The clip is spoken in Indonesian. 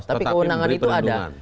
tetapi keundangan itu ada